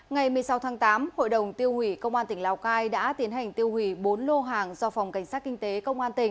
ngày một mươi sáu tháng tám hội đồng tiêu hủy công an tỉnh lào cai đã tiến hành tiêu hủy bốn lô hàng do phòng cảnh sát kinh tế công an tỉnh